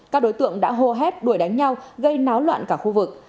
các đối tượng đã hô hét đuổi đánh nhau gây náo loạn cả khu vực